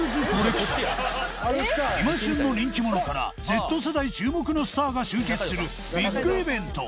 今旬の人気者から Ｚ 世代注目のスターが集結するビッグイベント